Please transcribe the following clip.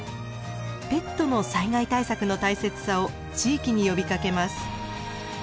ペットの災害対策の大切さを地域に呼びかけます。